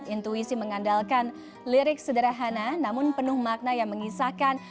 intuisi mengandalkan lirik sederhana namun penuh makna yang mengisahkan